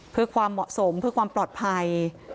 เพื่อความเหมาะสมเพื่อความปลอดภัย